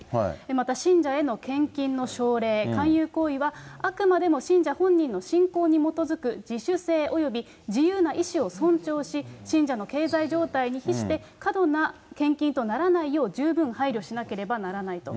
また信者への献金の奨励、勧誘行為は、あくまでも信者本人の信仰に基づく自主性および自由な意思を尊重し、信者の経済状態に比して過度な献金とならないよう、十分配慮しなければならないと。